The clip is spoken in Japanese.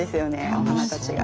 お花たちが。